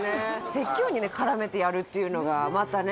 説教にね絡めてやるっていうのがまたね